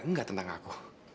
enggak tentang aku